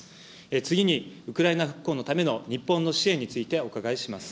次にウクライナ復興ための日本の支援についてお伺いします。